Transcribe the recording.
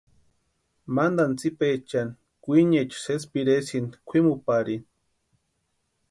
Mantani tsipaechani kwiniecha sési piresïnti kwʼimuparini.